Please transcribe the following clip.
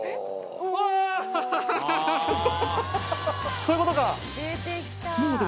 そういうことか！